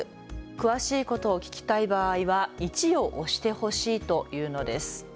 詳しいことを聞きたい場合は１を押してほしいと言うのです。